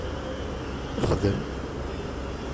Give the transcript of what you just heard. Xdem!